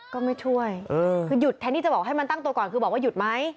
ก็ไม่ช่วยคือหยุดแทนที่จะบอกให้มันตั้งตัวก่อนคือบอกว่าหยุดไหม